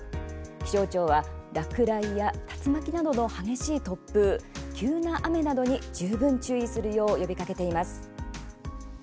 気象庁は落雷や竜巻などの激しい突風急な雨などに十分注意するよう呼びかけています。